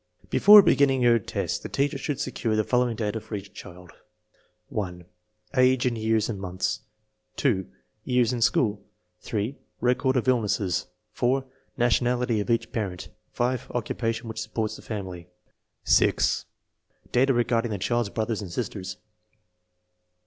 Before beginning her tests the teacher should secure the following data for each child: 1. Age, in years and months; 2. Years in school; 8. Record of illnesses; 4. Nationality of each parent; 5. Occupation which supports the family; 6. Data regarding the child's brothers and sisters.